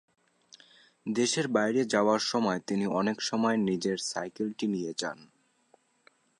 দেশের বাইরে যাওয়ার সময়ও তিনি অনেক সময় নিজের সাইকেলটি নিয়ে যান।